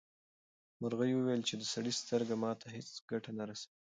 مرغۍ وویل چې د سړي سترګه ماته هیڅ ګټه نه رسوي.